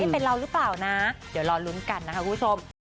เป็นเราหรือเปล่านะเดี๋ยวรอลุ้นกันนะคะคุณผู้ชม